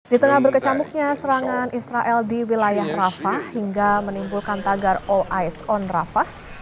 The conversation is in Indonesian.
di tengah berkecamuknya serangan israel di wilayah rafah hingga menimbulkan tagar all ice on rafah